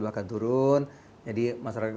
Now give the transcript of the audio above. masyarakat turun jadi masyarakat